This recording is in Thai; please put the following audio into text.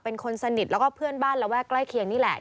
เป็นคนสนิทแล้วก็เพื่อนบ้านระแวกใกล้เคียงนี่แหละ